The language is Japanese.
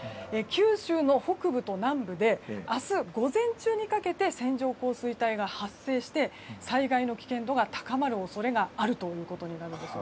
九州の北部と南部で明日午前中にかけて線状降水帯が発生して災害の危険度が高まる恐れがあるということです。